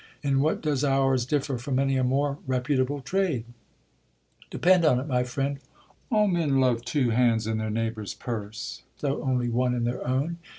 In what does ours differ from many a more reputable trade ? Depend on it, my friend, all men love two hands in their neighbour's purse, though only one in their own.